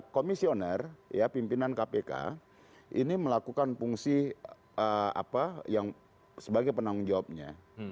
komisioner pimpinan kpk ini melakukan fungsi apa yang sebagai penanggung jawabnya